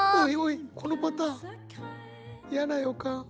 このパターン嫌な予感。